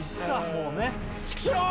もうねチキショー！